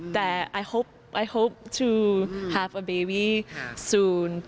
แต่ฉันหวังว่าจะมีคุณพ่อต่อไป